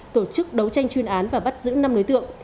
tổ chức đấu tranh chuyên án và bắt giữ năm đối tượng